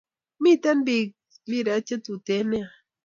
Miten pik imbar che tuten nea